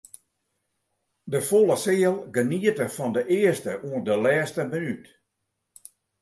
De folle seal geniete fan de earste oant de lêste minút.